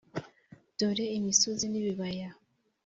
dore imisozi n’ibibaya